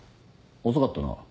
遅かったな。